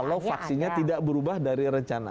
kalau vaksinnya tidak berubah dari rencana